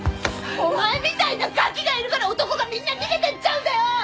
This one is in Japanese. お前みたいなガキがいるから男がみんな逃げていっちゃうんだよ！